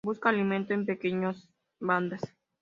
Busca alimento en pequeñas bandas.